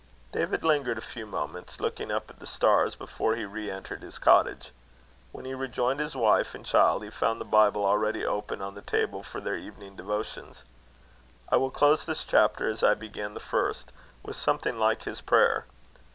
David lingered a few moments, looking up at the stars, before he re entered his cottage. When he rejoined his wife and child, he found the Bible already open on the table for their evening devotions. I will close this chapter, as I began the first, with something like his prayer.